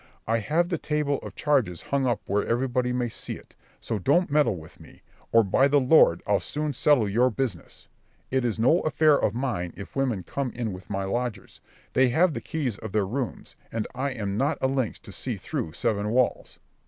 I have the table of charges hung up where everybody may see it, so don't meddle with me, or by the Lord I'll soon settle your business. It is no affair of mine if women come in with my lodgers; they have the keys of their rooms, and I am not a lynx to see through seven walls."